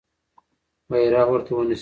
بیرغ ورته ونیسه.